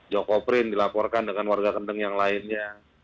joko prins dilaporkan dengan warga kendang yang lainnya